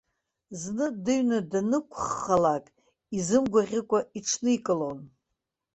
Зны дыҩны даннықәыххлак, изымгәаӷьыкәа иҽникылон.